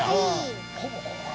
ほぼここ。